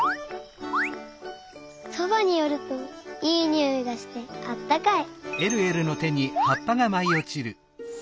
そばによるといいにおいがしてあったかい。